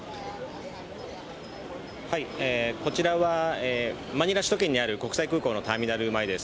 こちらは、マニラ首都圏にある国際空港のターミナル前です。